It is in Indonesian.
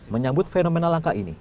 menyambut fenomena langka ini